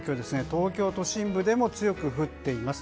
東京都心部でも強く降っています。